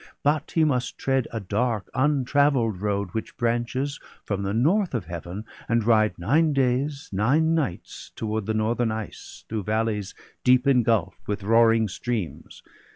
But he must tread a dark untravell'd road Which branches from the north of Heaven, and ride Nine days, nine nights, toward the northern ice, Through valleys deep engulph'd, with roaring streams.